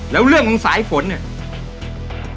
แล้วเรื่องของสายฝนเนี่ย